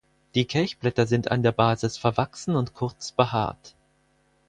Die Kelchblätter sind an der Basis verwachsen und kurz behaart.